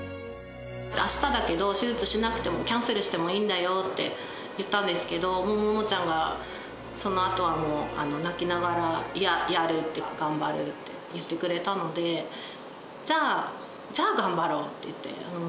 あしただけど、手術しなくても、キャンセルしてもいいんだよって言ったんですけど、もうももちゃんが、そのあとはもう、泣きながら、いや、やるって、頑張るって言ってくれたので、じゃあ、じゃあ頑張ろうっていって。